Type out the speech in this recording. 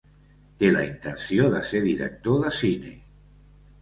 Té la intenció de ser director de cine.